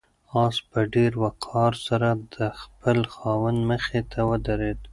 آس په ډېر وقار سره د خپل خاوند مخې ته ودرېد.